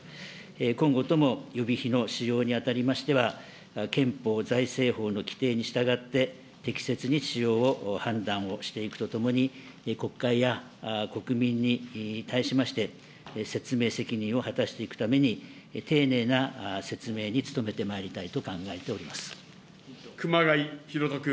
今後とも予備費の使用に当たりましては、憲法財政法の規定に従って適切に使用を判断をしていくとともに、国会や国民に対しまして、説明責任を果たしていくために、丁寧な説明に努めてまいりたいと熊谷裕人君。